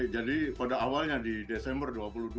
jadi pada awalnya di desember dua puluh dua